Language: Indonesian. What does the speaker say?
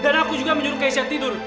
dan aku juga yang menyuruh keisha tidur